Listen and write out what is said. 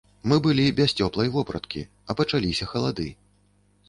Мы былі без цёплай вопраткі, а пачаліся халады.